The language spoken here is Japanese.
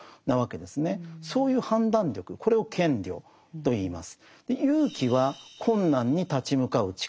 そういう判断力これを賢慮といいます。